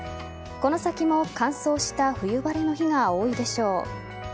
この先も乾燥した冬晴れの日が多いでしょう。